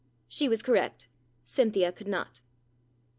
She was correct. Cynthia could not.